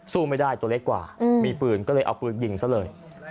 สู้ไม่ได้ตัวเล็กกว่ามีปืนก็เลยเอาปืนยิงซะเลย